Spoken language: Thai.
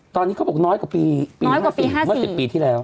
ตอนนี้เขาบอกน้อยกว่าปีเมื่อ๑๐ปีที่แล้ว